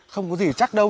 không có gì chắc đâu